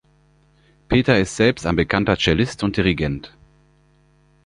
Peter ist selbst ein bekannter Cellist und Dirigent.